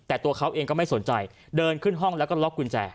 แต่ตัวเขาเองก็ไม่สนใจเดินขึ้นห้องแล้วก็ล็อกกุญแจ